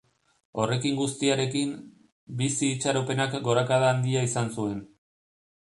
Horrekin guztiarekin, bizi-itxaropenak gorakada handia izan zuen.